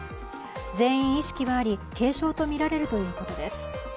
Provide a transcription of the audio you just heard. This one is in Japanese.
全員意識はあり、軽症とみられるということです。